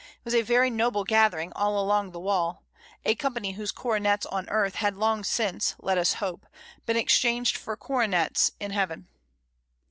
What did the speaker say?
It was a very noble gathering all along the wall, a company whose coronets on earth had long since, let us hope, been exchanged for coronets in heaven.